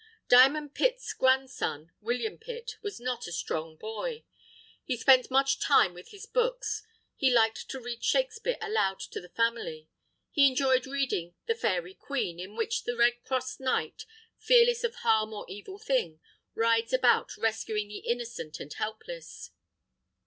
"Diamond Pitt's" grandson, William Pitt, was not a strong boy. He spent much time with his books. He liked to read Shakespeare aloud to the family. He enjoyed reading the Faëry Queen, in which the Red Cross Knight, fearless of harm or evil thing, rides about rescuing the innocent and helpless.